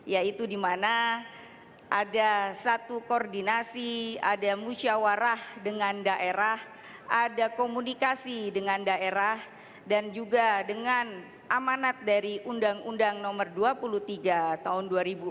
yaitu di mana ada satu koordinasi ada musyawarah dengan daerah ada komunikasi dengan daerah dan juga dengan amanat dari undang undang nomor dua puluh tiga tahun dua ribu empat belas